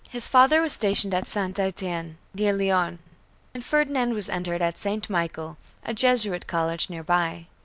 His father was stationed at St. Étienne near Lyons, and Ferdinand was entered at St. Michel, a Jesuit college near by.